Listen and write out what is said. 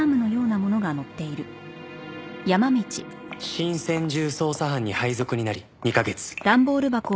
新専従捜査班に配属になり２カ月